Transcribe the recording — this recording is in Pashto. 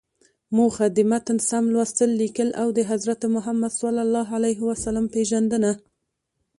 موخه: د متن سم لوستل، ليکل او د حضرت محمد ﷺ پیژندنه.